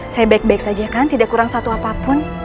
saya baik baik saja kan tidak kurang satu apapun